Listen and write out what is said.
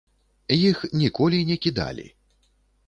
Іх ніколі не кідалі.